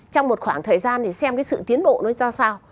trong một khoảng thời gian thì xem cái sự tiến bộ nó ra sao